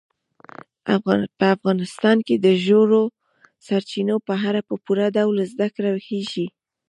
په افغانستان کې د ژورو سرچینو په اړه په پوره ډول زده کړه کېږي.